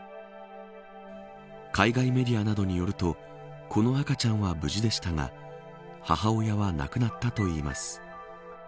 海外メディアなどによるとこの赤ちゃんは無事でしたが母親は亡くなったといいます。